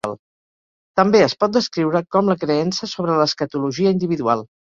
També es pot descriure com la creença sobre l'escatologia individual.